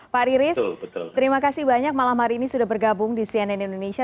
pak riris terima kasih banyak malam hari ini sudah bergabung di cnn indonesia